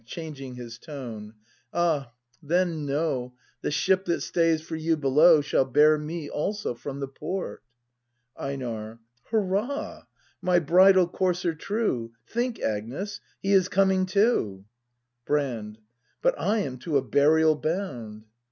[Changing his tone.] Ah, — then know, The ship that stays for you below Shall bear me also from the port. Einar. Hurrah! My bridal courser true! Think, Agnes, he is coming too! Brand. But / am to a burial bound.